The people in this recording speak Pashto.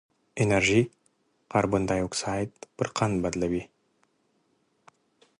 انرژي کاربن ډای اکسایډ پر قند تبدیلوي.